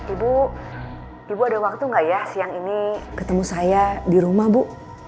ibu ibu ada waktu nggak ya siang ini ketemu saya di rumah bu